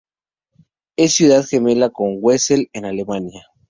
Es ciudad gemela con Wesel, en Alemania.